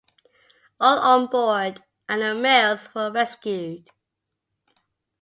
All on board and the mails were rescued.